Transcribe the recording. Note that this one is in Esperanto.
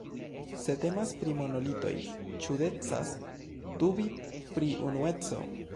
Se temas pri monolitoj, ĉu decas dubi pri unueco?